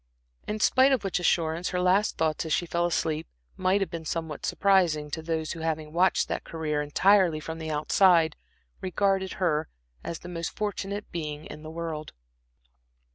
In spite of which assurance, her last thoughts as she fell asleep might have been somewhat surprising to those who, having watched that career entirely from the outside, regarded her as the most fortunate being in the world.